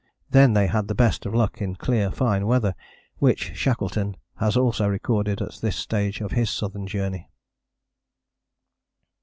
Then they had the best of luck in clear fine weather, which Shackleton has also recorded at this stage of his southern journey.